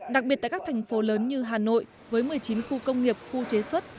đặc biệt tại các thành phố lớn như hà nội với một mươi chín khu công nghiệp khu chế xuất